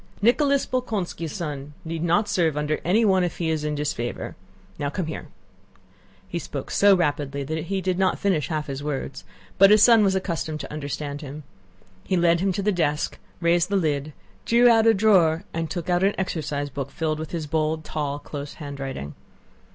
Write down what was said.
Nicholas Bolkónski's son need not serve under anyone if he is in disfavor. Now come here." *Kutúzov. He spoke so rapidly that he did not finish half his words, but his son was accustomed to understand him. He led him to the desk, raised the lid, drew out a drawer, and took out an exercise book filled with his bold, tall, close handwriting.